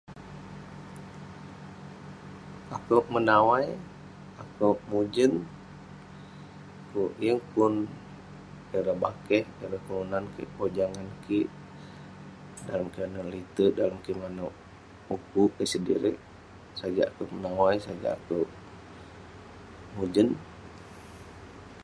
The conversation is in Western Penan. Akouk menawai, akouk mujen. Kuk yeng pun ireh bakeh, ireh kelunan kik pojah ngan kik. Dalem kik manouk lete'erk, dalem kik manouk ukuk kik sedirik ; sajak akouk menawai sajak akouk mujen.